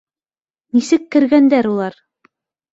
Нисек кергәндәр улар?